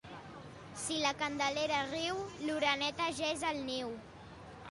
Si la Candelera riu, l'oreneta ja és al niu.